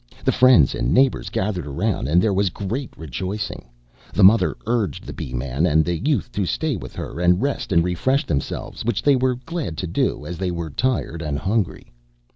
The friends and neighbors gathered around and there was great rejoicing. The mother urged the Bee man and the Youth to stay with her, and rest and refresh themselves, which they were glad to do as they were tired and hungry.